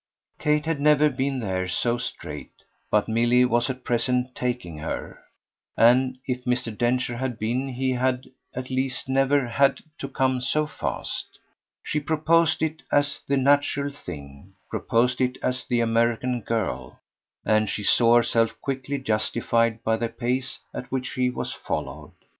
Kate had never been there so straight, but Milly was at present taking her; and if Mr. Densher had been he had at least never had to come so fast. She proposed it as the natural thing proposed it as the American girl; and she saw herself quickly justified by the pace at which she was followed.